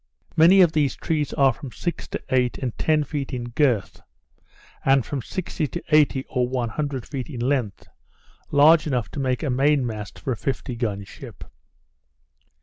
Many of these trees are from six to eight and ten feet in girt, and from sixty to eighty or one hundred feet in length, large enough to make a main mast for a fifty gun ship.